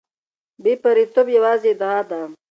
بې پرېتوب یوازې ادعا ده.